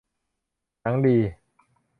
หนังดี